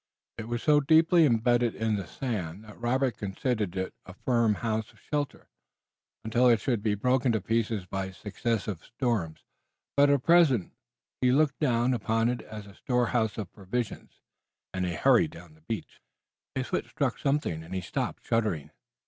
It was so deeply imbedded in the sand that Robert considered it a firm house of shelter, until it should be broken to pieces by successive storms. But at present he looked upon it as a storehouse of provisions, and he hurried down the beach. His foot struck against something, and he stopped, shuddering.